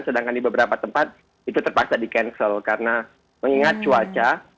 sedangkan di beberapa tempat itu terpaksa di cancel karena mengingat cuaca